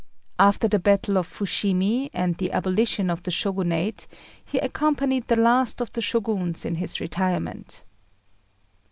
After the battle of Fushimi, and the abolition of the Shogunate, he accompanied the last of the Shoguns in his retirement.